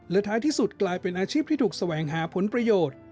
และท้ายที่สุดกลายเป็นอาชีพที่ถูกแสวงหาผลประโยชน์